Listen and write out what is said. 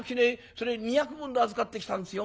それ二百文で預かってきたんですよ。